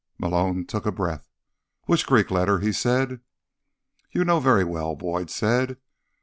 Malone took a breath. "Which Greek letter?" he said. "You know very well," Boyd said.